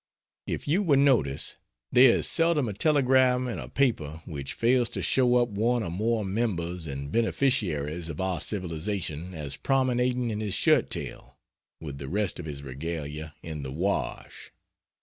If you will notice, there is seldom a telegram in a paper which fails to show up one or more members and beneficiaries of our Civilization as promenading in his shirt tail, with the rest of his regalia in the wash.